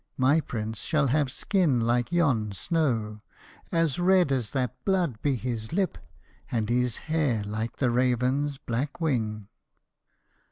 My prince shall have skin like yon snow. As red as that blood be his lip, and his hair like the raven's black wing.'